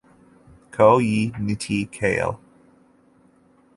Ko ye nti kale.